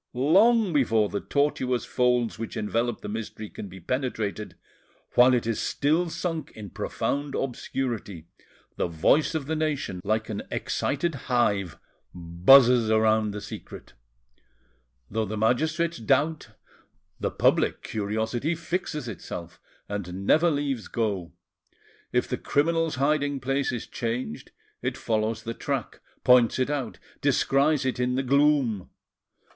Long before the tortuous folds which envelop the mystery can be penetrated, while it is still sunk in profound obscurity, the voice of the nation, like an excited hive, buzzes around the secret; though the magistrates doubt, the public curiosity fixes itself, and never leaves go; if the criminal's hiding place is changed, it follows the track, points it out, descries it in the gloom.